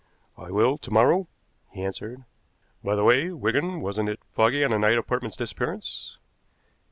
"I will to morrow," he answered. "By the way, Wigan, wasn't it foggy on the night of Portman's disappearance?"